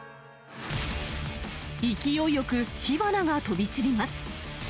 勢いよく火花が飛び散ります。